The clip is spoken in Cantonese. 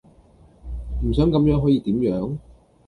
唔想咁樣可以點樣?